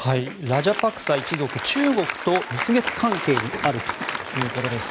ラジャパクサ一族中国と蜜月関係にあるということです。